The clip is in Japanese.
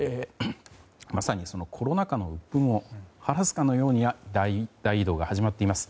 まさにコロナ禍のうっ憤を晴らすかのように大移動が始まっています。